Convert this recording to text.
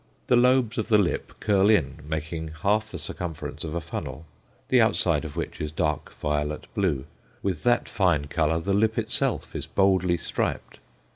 The lobes of the lip curl in, making half the circumference of a funnel, the outside of which is dark violet blue; with that fine colour the lip itself is boldly striped.